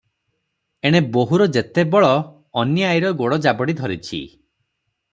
ଏଣେ ବୋହୂର ଯେତେ ବଳ, ଅନୀ ଆଈର ଗୋଡ଼ ଜାବଡ଼ି ଧରିଛି ।